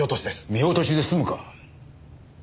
見落としで済むか。